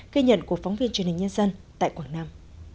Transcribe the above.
ghi nhận của phóng viên truyền hình nhân dân tại quảng nam